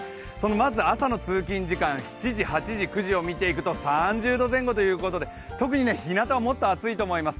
まず朝の通勤時間、７時、８時、９時を見ていくと３０度前後ということで、特にひなたはもっと暑いと思います。